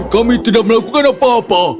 kami tidak melakukan apa apa